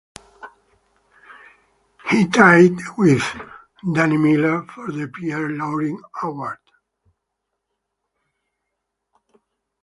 He tied with Danny Miller for the Pierre Laurin Award.